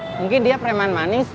mungkin dia preman manis